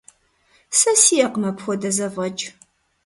Сэ сиӀэкъым апхуэдэ зэфӀэкӀ.